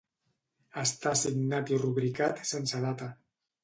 Està signat i rubricat sense data.